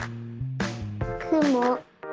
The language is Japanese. くも。